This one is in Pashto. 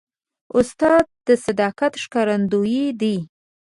استاد د صداقت ښکارندوی دی.